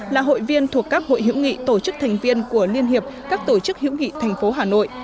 là hội viên thuộc các hội hữu nghị tổ chức thành viên của liên hiệp các tổ chức hữu nghị thành phố hà nội